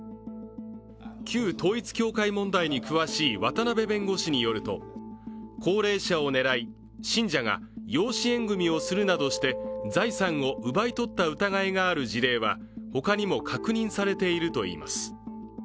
旧統一教会問題に詳しい渡辺弁護士によると高齢者を狙い信者が養子縁組をするなどして財産を奪い取った疑いがある事例は他にも確認されているといいます。